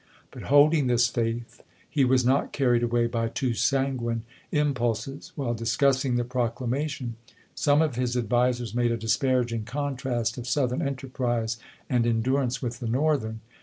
But, holding this faith, he was not carried away by too sanguine impulses. While discussing the proclamation, some of his advisers made a dis paraging contrast of Southern enterprise and endurance with the Northern.